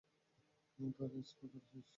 তার স্পা করা শেষ।